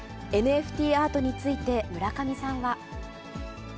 ＮＦＴアートについて村上さんは。